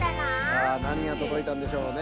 さあなにがとどいたんでしょうね。